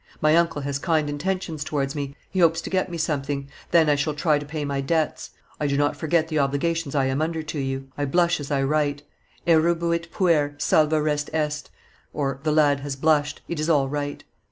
My uncle has kind intentions towards me, he hopes to get me something; then I shall try to pay my debts. I do not forget the obligations I am under to you. I blush as I write; Erubuit puer, salva res est (the lad has blushed; it is all right).